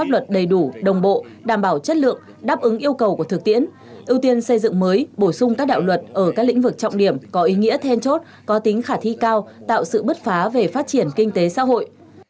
và đổ sung các đạo luật ở các lĩnh vực trọng điểm có ý nghĩa then chốt có tính khả thi cao tạo sự bứt phá về phát triển kinh tế xã hội